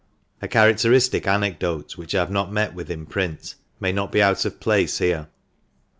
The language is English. A characteristic anecdote, which I have not met with in print, may not be out of place here.